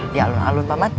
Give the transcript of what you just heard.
di alun alun paman